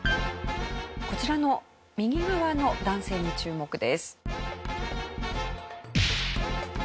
こちらの右側の男性に注目です。